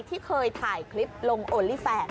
ที่เคยถ่ายคลิปลงโอลี่แฟน